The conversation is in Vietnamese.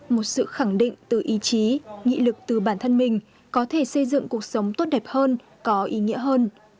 một sự khẳng định từ ý chí nghị lực từ bản thân mình có thể xây dựng cuộc sống tốt đẹp hơn có ý nghĩa hơn